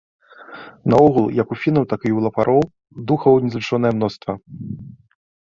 Наогул як у фінаў, так і ў лапароў духаў незлічонае мноства.